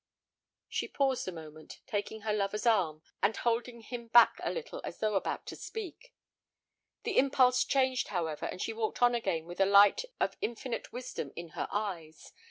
She paused a moment, taking her lover's arm, and holding him back a little as though about to speak. The impulse changed, however, and she walked on again with a light of infinite wisdom in her eyes.